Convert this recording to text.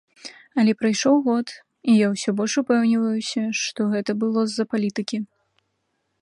Але прайшоў год, і я ўсё больш упэўніваюся, што гэта было з-за палітыкі.